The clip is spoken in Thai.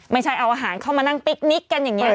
ไม่ใช่เอาอาหารเข้ามานั่งปิ๊กนิกกันอย่างนี้